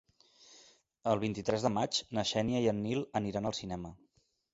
El vint-i-tres de maig na Xènia i en Nil aniran al cinema.